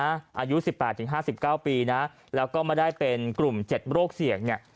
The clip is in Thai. อายุสิบแปดถึงห้าสิบเก้าปีนะแล้วก็มาได้เป็นกลุ่มเจ็ดโรคเสี่ยงเนี่ย